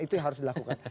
itu yang harus dilakukan